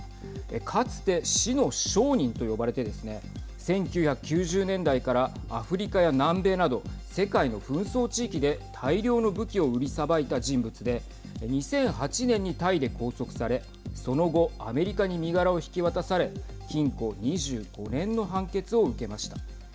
かつて死の商人と呼ばれてですね１９９０年代からアフリカや南米など、世界の紛争地域で大量の武器を売りさばいた人物で２００８年にタイで拘束されその後アメリカに身柄を引き渡され禁錮２５年の判決を受けました。